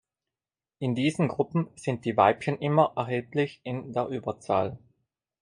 In diesen Gruppen sind die Weibchen immer erheblich in der Überzahl.